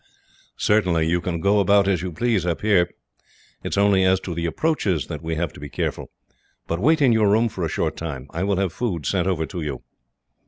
"Certainly. You can go about as you please up here. It is only as to the approaches that we have to be careful. But wait in your room for a short time. I will have food sent over to you."